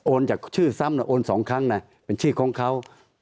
จากชื่อซ้ำโอน๒ครั้งนะเป็นชื่อของเขา